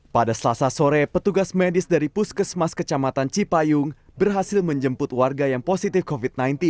pada selasa sore petugas medis dari puskesmas kecamatan cipayung berhasil menjemput warga yang positif covid sembilan belas